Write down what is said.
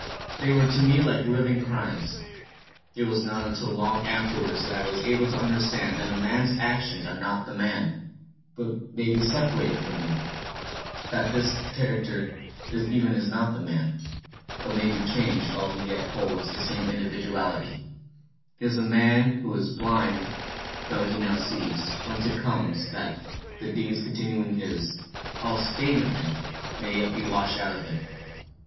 They were to me like living crimes. It was not until long afterwards that I was able to understand that a man's actions are not the man, but may be separated from him; that his character even is not the man, but may be changed while he yet holds the same individuality, is the man who was blind though he now sees; whence it comes, that, the deeds continuing his, all stain of them may yet be washed out of him.